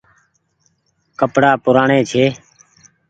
ڪپڙآ پوُرآڻي ڇي۔